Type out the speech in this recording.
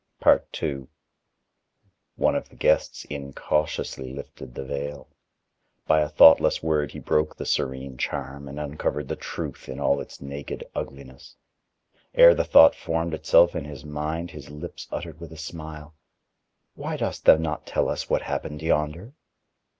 II One of the guests incautiously lifted the veil. By a thoughtless word he broke the serene charm and uncovered the truth in all its naked ugliness. Ere the thought formed itself in his mind, his lips uttered with a smile: "Why dost thou not tell us what happened yonder?"